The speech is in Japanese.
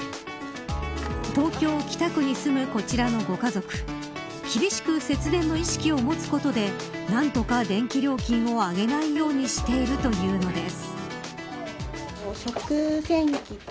東京、北区に住むこちらのご家族厳しく節電の意識を持つことで何とか電気料金を上げないようにしているというのです。